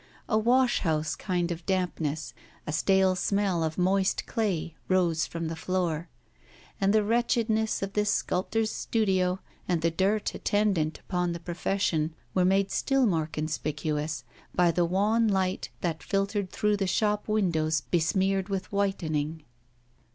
A wash house kind of dampness, a stale smell of moist clay, rose from the floor. And the wretchedness of this sculptor's studio and the dirt attendant upon the profession were made still more conspicuous by the wan light that filtered through the shop windows besmeared with whitening.